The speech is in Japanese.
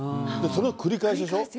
それの繰り返しでしょ。